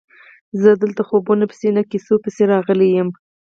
زه دلته خوبونو پسې نه کیسو پسې راغلی یم.